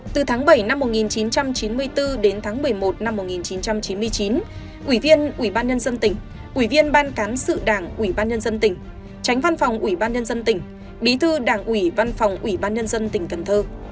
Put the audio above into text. từ tháng bảy năm một nghìn chín trăm chín mươi bốn đến tháng một mươi một năm một nghìn chín trăm chín mươi chín ủy viên ubnd tỉnh ủy viên ban cán sự đảng ubnd tỉnh tránh văn phòng ubnd tỉnh bí thư đảng ubnd tỉnh cần thơ